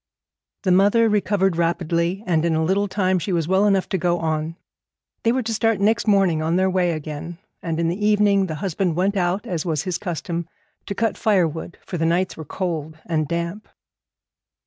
The mother recovered rapidly, and in a little time she was well enough to go on. They were to start next morning on their way again; and in the evening the husband went out, as was his custom, to cut firewood, for the nights were cold and damp.